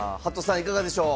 いかがでしょう？